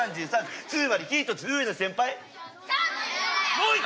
もう一回！